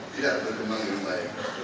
tidak berkembang dengan baik